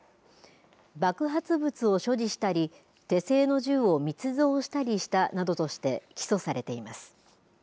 爆発物を所持したり、手製の銃を密造したりしたなどとして起訴されています。